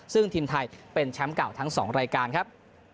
ซึ่งทีมไทยเป็นแชมป์เก่าทั้ง๒รายการครับ